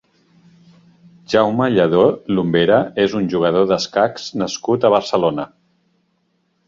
Jaume Lladó Lumbera és un jugador d'escacs nascut a Barcelona.